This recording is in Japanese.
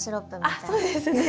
あっそうですね